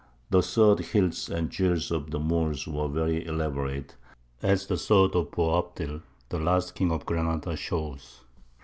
The sword hilts and jewels of the Moors were very elaborate, as the sword of Boabdil, the last King of Granada, shows.